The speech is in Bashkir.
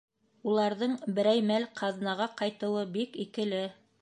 Уларҙың берәй мәл ҡаҙнаға ҡайтыуы бик икеле...